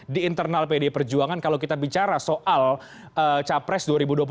di internal pdi perjuangan kalau kita bicara soal capres dua ribu dua puluh empat